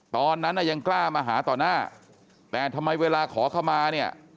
ตอนนั้นน่ะยังกล้ามาหาต่อหน้าแต่ทำไมเวลาขอเข้ามาเนี่ย